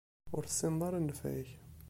Ur tessineḍ ara nnfeɛ-ik.